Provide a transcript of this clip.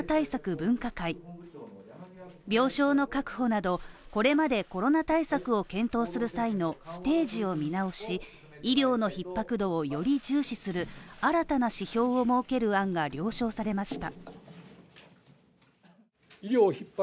分科病床の確保など、これまでコロナ対策を検討する際のステージを見直し、医療の逼迫度をより重視する新たな指標を設ける案が了承されました。